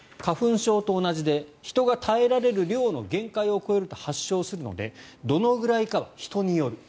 花粉症と同じで人が耐えられる量の限界を超えると発症するのでどのくらいかは人による。